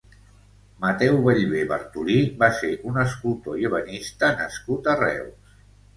Mateu Bellver Bartolí va ser un escultor i ebenista nascut a Reus.